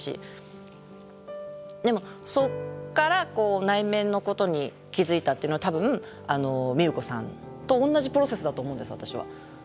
でもそっから内面のことに気付いたっていうのは多分みゆこさんと同じプロセスだと思うんです私は。